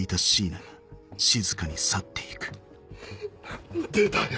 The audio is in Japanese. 何でだよ。